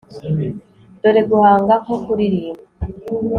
dore guhanga nko kuririmba